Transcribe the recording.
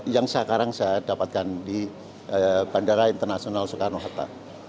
yang sekarang saya dapatkan di bandara internasional soekarno hatta